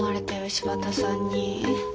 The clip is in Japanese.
柴田さんに。